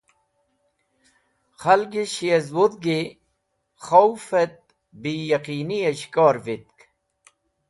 Khaligish yez wudhgi Khawf et Biyaqiniye Shikor witk.